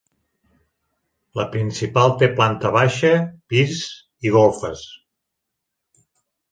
La principal té planta baixa, pis i golfes.